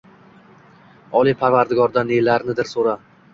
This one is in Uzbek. Oliy Parvardigordan nelarnidir so'rar